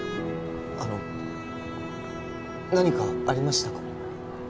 あの何かありましたか？